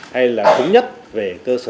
hay là đúng nhất về cơ sở sản xuất